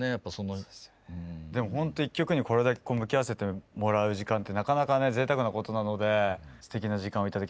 でもほんと１曲にこれだけ向き合わせてもらう時間ってなかなかね贅沢なことなのですてきな時間をいただきました。